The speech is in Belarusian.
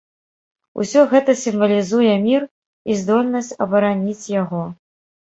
Усё гэта сімвалізуе мір і здольнасць абараніць яго.